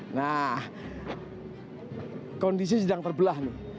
nah kondisi sedang terbelah